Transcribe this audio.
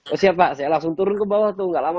oh siap pak saya langsung turun ke bawah tuh nggak lama